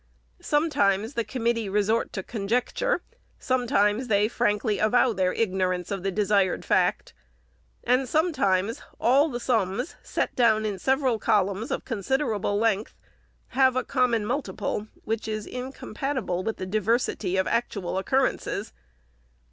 Sometimes, the committee resort to conject ure ; sometimes they frankly avow their ignorance of the desired fact ; and sometimes all the sums, set down in several columns of considerable length, have a common multiple, which is incompatible with the diversity of actual occurrences.